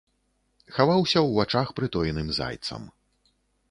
Хаваўся ў вачах прытоеным зайцам.